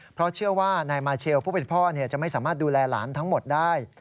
เพราะเชื่อว่านายมาเชลผู้เป็นพ่อจะไม่สามารถดูแลหลานทั้งหมดได้